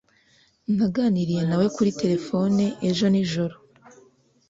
Naganiriye nawe kuri terefone ejo nijoro